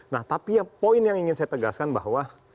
nah tapi ya poin yang ingin saya tegaskan bahwa